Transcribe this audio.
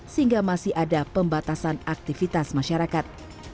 sehingga masih ada pembatasan aktivitas masyarakat